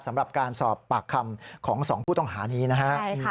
สำหรับการสอบปากคำของ๒ผู้ต้องหานี้นะครับ